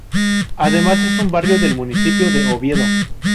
Además es un barrio del municipio de Oviedo.